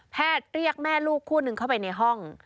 แพทย์เรียกแม่ลูกคู่นึงเข้าไปในห้อง